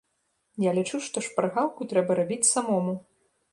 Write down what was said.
Я лічу, што шпаргалку трэба рабіць самому.